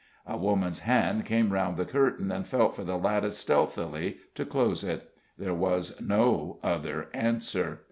A woman's hand came around the curtain and felt for the lattice stealthily, to close it. There was no other answer.